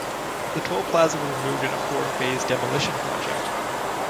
The toll plaza was removed in a four-phase demolition project.